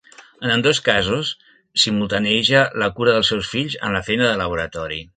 En ambdós casos simultanieja la cura dels seus fills amb la feina de laboratori.